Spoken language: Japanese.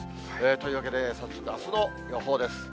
というわけで、早速、あすの予報です。